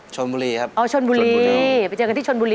ชนบุรีครับอ๋อชนบุรีบุรีไปเจอกันที่ชนบุรี